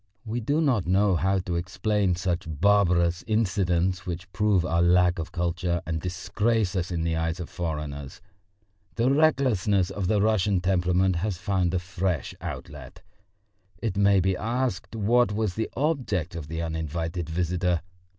We do not know how to explain such barbarous incidents which prove our lack of culture and disgrace us in the eyes of foreigners. The recklessness of the Russian temperament has found a fresh outlet. It may be asked what was the object of the uninvited visitor?